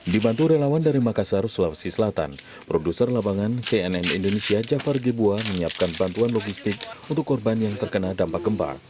dibantu relawan dari makassar sulawesi selatan produser lapangan cnn indonesia jafar gebuah menyiapkan bantuan logistik untuk korban yang terkena dampak gempa